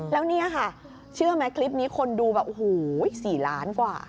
แล้วเนี่ยค่ะเชื่อไหมคลิปนี้คนดูแบบโอ้โห๔ล้านกว่า